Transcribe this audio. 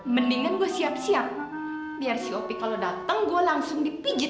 mendingan gue siap siap biar si opie kalo dateng gue langsung dipijit